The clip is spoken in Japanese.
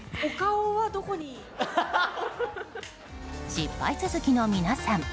失敗続きの皆さん。